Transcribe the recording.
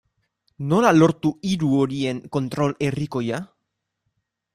Nola lortu hiru horien kontrol herrikoia?